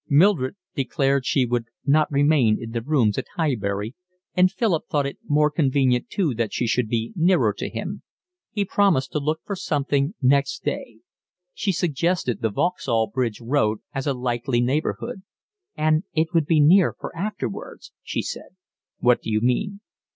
Mildred declared she would not remain in the rooms at Highbury, and Philip thought it more convenient too that she should be nearer to him. He promised to look for something next day. She suggested the Vauxhall Bridge Road as a likely neighbourhood. "And it would be near for afterwards," she said. "What do you mean?"